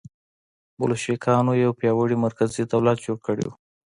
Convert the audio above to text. بلشویکانو یو پیاوړی مرکزي دولت جوړ کړی و.